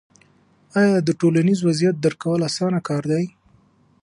آیا د ټولنیز وضعیت درک کول اسانه کار دی؟